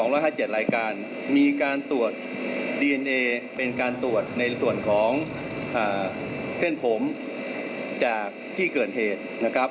๕๗รายการมีการตรวจดีเอนเอเป็นการตรวจในส่วนของเส้นผมจากที่เกิดเหตุนะครับ